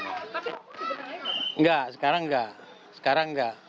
enggak sekarang enggak